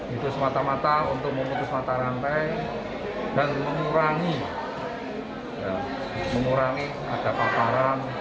itu semata mata untuk memutus mata rantai dan mengurangi ada paparan